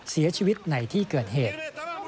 เสียชีวิตในที่เกิดเหตุ